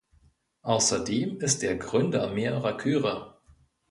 Außerdem ist er Gründer mehrerer Chöre.